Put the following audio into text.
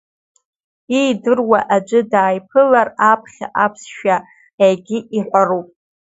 Иидыруа аӡәы дааиԥылар, аԥхьа аԥсшәа егьи иҳәароуп…